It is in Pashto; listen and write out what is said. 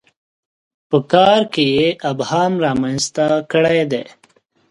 په کار کې یې ابهام رامنځته کړی دی.